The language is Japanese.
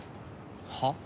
はっ？